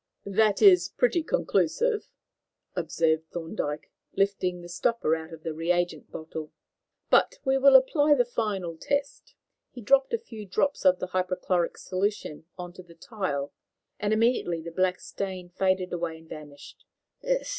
"That is pretty conclusive," observed Thorndyke, lifting the stopper out of the reagent bottle, "but we will apply the final test." He dropped a few drops of the hypochlorite solution on to the tile, and immediately the black stain faded away and vanished.